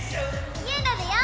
ゆうなだよ！